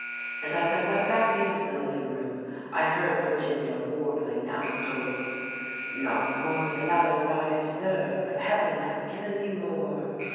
And as I went back into the living room, I heard Virginia warbling outdoors: "Not more than others I deserve, But Heaven has given me more."